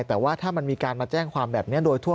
แต่ว่าถ้ามันมีการมาแจ้งความแบบนี้โดยทั่ว